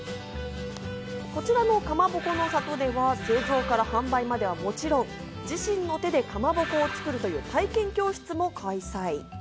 こちらの、かまぼこの里では製造から販売まではもちろん、自身の手でかまぼこを作るという体験教室も開催。